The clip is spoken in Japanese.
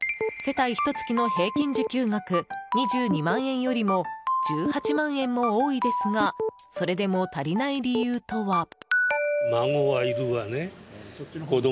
世帯ひと月の平均受給額２２万円よりも１８万円も多いですがそれでも足りない理由とは。